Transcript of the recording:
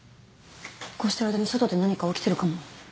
こうしてる間に外で何か起きてるかも。